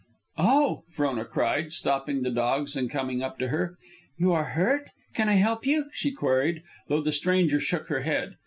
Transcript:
"Oh!" Frona cried, stopping the dogs and coming up to her. "You are hurt? Can I help you?" she queried, though the stranger shook her head.